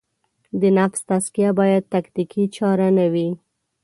د نفس تزکیه باید تکتیکي چاره نه وي.